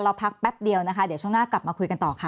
พักแป๊บเดียวนะคะเดี๋ยวช่วงหน้ากลับมาคุยกันต่อค่ะ